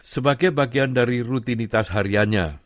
sebagai bagian dari rutinitas hariannya